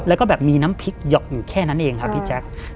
แล้วก็แบบมีน้ำพริกหยอกอยู่แค่นั้นเองครับพี่แจ๊ค